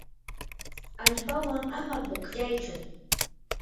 allpawan ama pukllaychu.